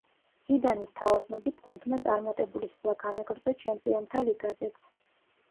ზიდანის თაოსნობით გუნდმა წარმატებული სვლა განაგრძო ჩემპიონთა ლიგაზეც.